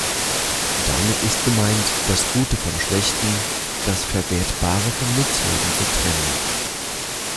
Damit ist gemeint, das Gute vom Schlechten, das Verwertbare vom Nutzlosen zu trennen.